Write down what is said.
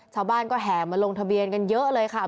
ชาวบ้านก็แห่มาลงทะเบียนกันเยอะเลยค่ะ